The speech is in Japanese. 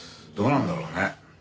どうなんだろうね。